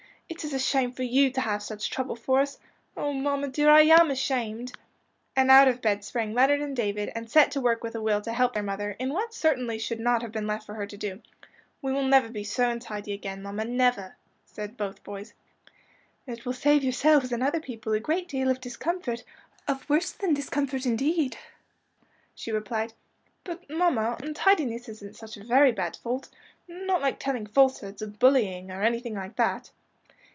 It is a shame for you to have such trouble for us. Oh, mamma, dear, I am ashamed," and out of bed sprang Leonard and David, and set to work with a will to help their mother, in what certainly should not have been left for her to do. "We will never be so untidy again, mamma, never," said both boys. "And it will save yourselves and other people a great deal of discomfort, of worse than discomfort, indeed," she replied. "But, mamma, untidiness isn't such a very bad fault not like telling falsehoods, or bullying, or anything like that?"